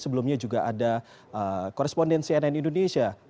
sebelumnya juga ada koresponden cnn indonesia